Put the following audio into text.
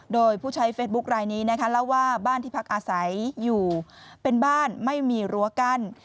โดยผู้ใช้เฟซบุ๊คลายนี้นะคะเล่าว่าบ้านที่พักอาศัยอยู่เป็นบ้านไม่มีรั้วกั้น